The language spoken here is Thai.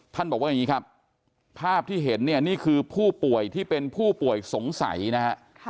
บอกว่าอย่างนี้ครับภาพที่เห็นเนี่ยนี่คือผู้ป่วยที่เป็นผู้ป่วยสงสัยนะฮะ